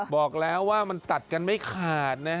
บอกแล้วว่ามันตัดกันไม่ขาดนะ